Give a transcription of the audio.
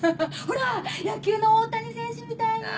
ほら野球の大谷選手みたいに！